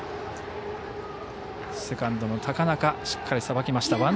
セカンドの高中しっかりさばきました。